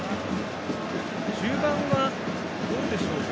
中盤はどうでしょうか。